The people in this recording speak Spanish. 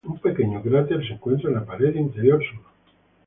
Un pequeño cráter se encuentra en la pared interior sur.